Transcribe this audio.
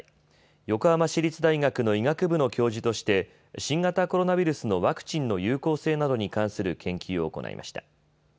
横浜市立大学の医学部の教授として、新型コロナウイルスのワクチンの有効性などに関する研究を行いました。